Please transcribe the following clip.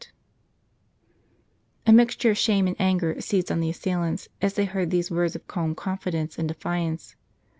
t A mixture of shame and anger seized on the assailants as they heard these words of calm confidence and defiance.